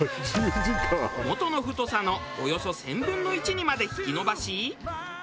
もとの太さのおよそ１０００分の１にまで引き延ばし。